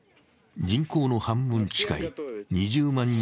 人口の半分近い２０万